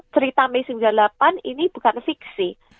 cerita miss drafts seribu sembilan ratus sembilan puluh delapan ini bukan fiksi